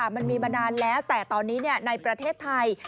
มันมีมานานแล้วแต่ตอนนี้ในประเทศไทย